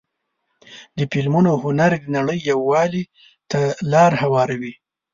د فلمونو هنر د نړۍ یووالي ته لاره هواروي.